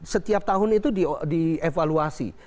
setiap tahun itu dievaluasi